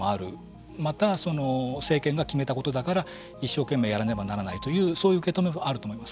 またその政権が決めたことだから一生懸命やらねばならないというそういう受け止めもあると思います。